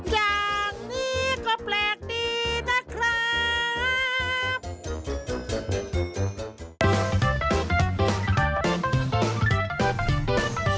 อย่างนี้ก็แปลกดีนะครับ